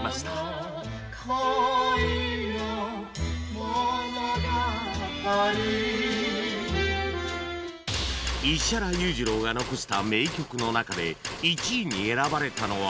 石原裕次郎が残した名曲の中で１位に選ばれたのは